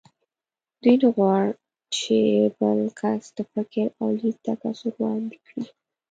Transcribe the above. دوی نه غواړ چې بل کس د فکر او لید تکثر وړاندې کړي